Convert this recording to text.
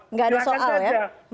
nggak ada soal ya